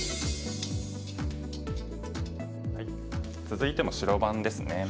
続いても白番ですね。